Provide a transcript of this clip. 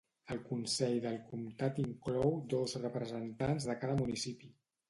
El Consell del Comtat inclou dos representants de cada municipi.